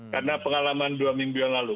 karena pengalaman dua minggu yang lalu